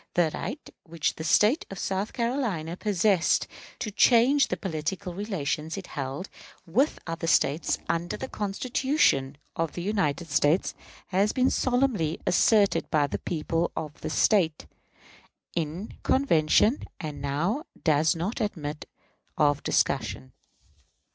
The right which the State of South Carolina possessed to change the political relations it held with other States, under the Constitution of the United States, has been solemnly asserted by the people of this State, in convention, and now does not admit of discussion.